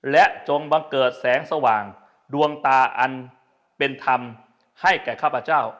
และจงบังเกิดแสงสว่างดวงตาอันเป็นธรรมให้แก่ข้าพเจ้า